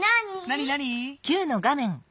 なになに？